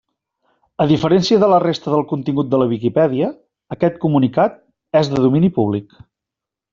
A diferència de la resta del contingut de la Viquipèdia, aquest comunicat és de domini públic.